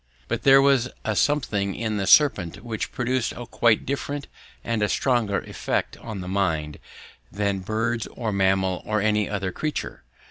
But there was a something in the serpent which produced a quite different and a stronger effect on the mind than bird or mammal or any other creature.